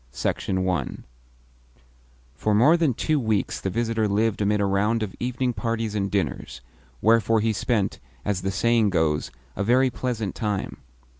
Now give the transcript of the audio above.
CHAPTER II For more than two weeks the visitor lived amid a round of evening parties and dinners; wherefore he spent (as the saying goes) a very pleasant time.